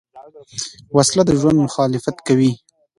وسله د ژوند مخالفت کوي